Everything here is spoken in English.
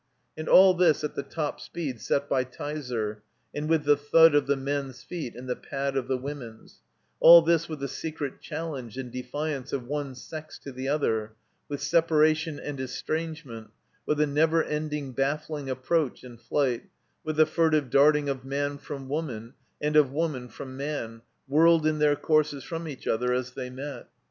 And all this at the top speed set by Tyser, and with the thud of the men's feet and the pad of the women's; all this with a secret challenge and defiance of one sex to the other, with separation and estrange ment, with a never ending, baffling approach and flight, with the furtive darting of man from woman and of woman from man, whirled in their courses from each other as they met.